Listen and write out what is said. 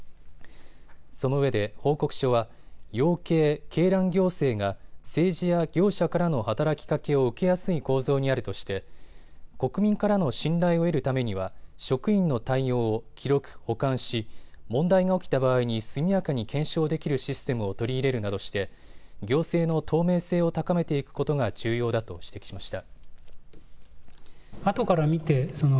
そのうえで報告書は養鶏・鶏卵行政が政治や業者からの働きかけを受けやすい構造にあるとして国民からの信頼を得るためには職員の対応を記録・保管し問題が起きた場合に速やかに検証できるシステムを取り入れるなどして行政の透明性を高めていくことが重要だと指摘しました。